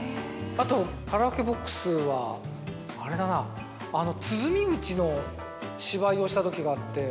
あとカラオケボックスはあれだな。をした時があって。